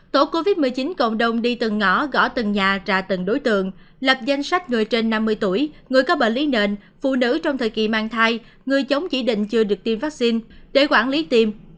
tổ covid một mươi chín cộng đồng đi từng ngõ gõ từng nhà trọ từng đối tượng lập danh sách người trên năm mươi tuổi người có bệnh lý nền phụ nữ trong thời kỳ mang thai người chống chỉ định chưa được tiêm vaccine để quản lý tiêm